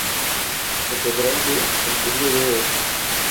Catedral de El Burgo de Osma.